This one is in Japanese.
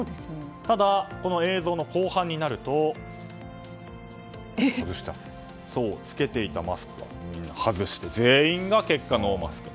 ただ、この映像の後半になると着けていたマスクを外して全員が結果ノーマスク。